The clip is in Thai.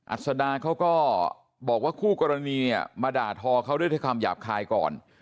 อัศดาเขาก็บอกว่าคู่กรณีเนี่ยมาด่าทอเขาด้วยคำหยาบคายก่อน